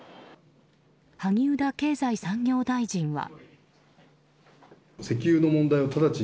萩生田経済産業大臣は。